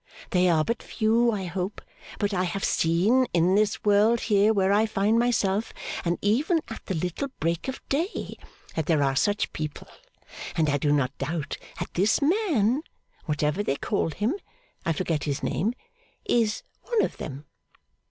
They are but few, I hope; but I have seen (in this world here where I find myself, and even at the little Break of Day) that there are such people. And I do not doubt that this man whatever they call him, I forget his name is one of them.